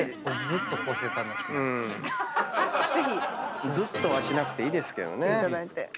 ずっとはしなくていいですけどね。